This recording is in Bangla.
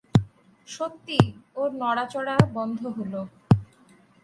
সত্যিই, ওর নড়াচড়া বন্ধ হল।